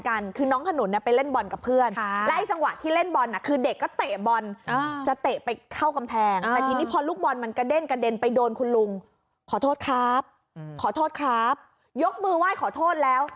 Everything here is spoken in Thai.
ขอโทษครับยกมือไหว้ขอโทษแล้ว